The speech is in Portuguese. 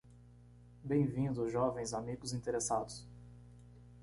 Bem-vindo jovens amigos interessados